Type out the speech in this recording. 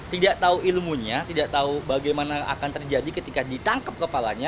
tidak tahu ilmunya tidak tahu bagaimana akan terjadi ketika ditangkap kepalanya